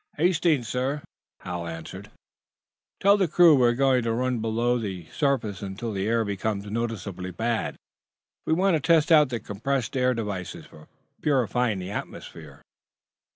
"Hastings, sir," Hal answered. "Tell the crew we're going to run below the surface until the air becomes noticeably bad. We want to test out the compressed air devices for purifying the atmosphere."